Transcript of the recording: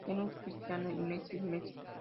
Cristiano es Cristiano y Messi es Messi.